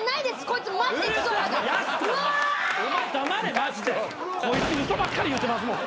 こいつ嘘ばっかり言ってますもん。